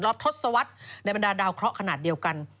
ทศวรรษในบรรดาดาวเคราะห์ขนาดเดียวกัน